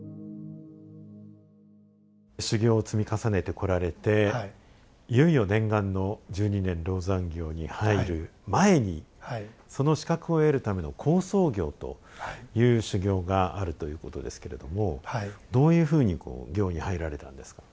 修行を積み重ねてこられていよいよ念願の十二年籠山行に入る前にその資格を得るための「好相行」という修行があるということですけれどもどういうふうにこう行に入られたんですか？